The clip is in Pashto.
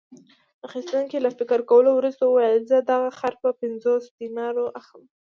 اخیستونکي له فکر کولو وروسته وویل: زه دغه خر په پنځوسو دینارو اخلم.